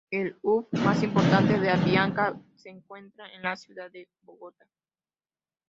El hub más importante de Avianca se encuentra en la ciudad de Bogotá.